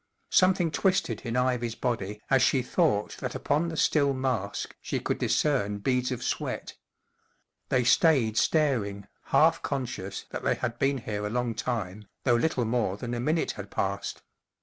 Something twisted in Ivy's body as she thought that upon the still mask she could discern beads of sweat. They stayed staring, half conscious that they had been here a long time, though little more than a minute had passed.